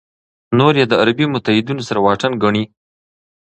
نور یې د عربي متحدینو سره واټن ګڼي.